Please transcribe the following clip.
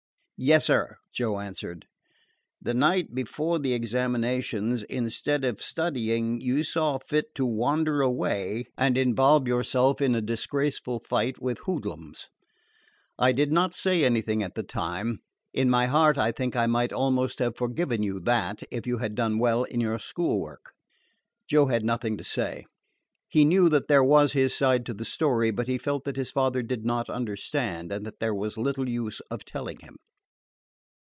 "Yes, sir," Joe answered. "The night before the examinations, instead of studying, you saw fit to wander away and involve yourself in a disgraceful fight with hoodlums. I did not say anything at the time. In my heart I think I might almost have forgiven you that, if you had done well in your school work." Joe had nothing to say. He knew that there was his side to the story, but he felt that his father did not understand, and that there was little use of telling him.